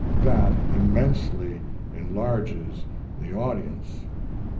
That immensely enlarges the audience.